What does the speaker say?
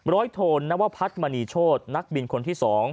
ร้อยโทรนวภัทรมณีโชฎนักบินคนที่๒